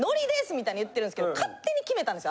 みたいに言ってるんですけど勝手に決めたんです。